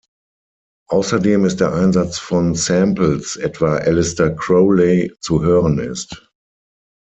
Außerdem ist der Einsatz von Samples etwa Aleister Crowley zu hören ist.